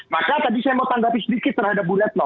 maka tadi saya mau tanggapi sedikit terhadap bu retno